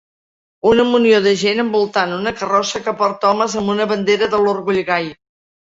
Una munió de gent envoltant una carrossa que porta homes amb una bandera de l'orgull gai.